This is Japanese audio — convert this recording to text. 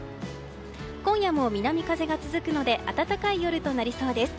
今夜も南風が続くので暖かい夜になりそうです。